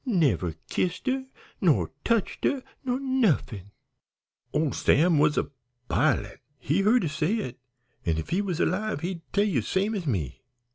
Never kissed her, nor touched her, nor nuffin! "Ole Sam was bilin'. He heard her say it, an' if he was alive he'd tell ye same as me.